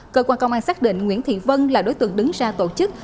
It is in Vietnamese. cơ quan công an xác định nguyễn thị vân là đối tượng đứng ra tổ chức